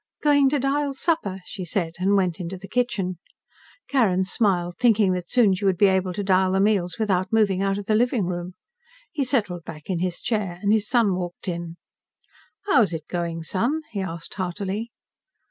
"Going to dial supper," she said, and went to the kitchen. Carrin smiled, thinking that soon she would be able to dial the meals without moving out of the living room. He settled back in his chair, and his son walked in. "How's it going, Son?" he asked heartily.